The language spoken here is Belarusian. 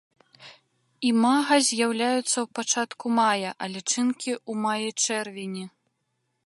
Імага з'яўляюцца ў пачатку мая, а лічынкі ў маі-чэрвені.